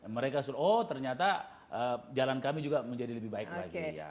mereka suruh oh ternyata jalan kami juga menjadi lebih baik lagi